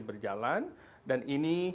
berjalan dan ini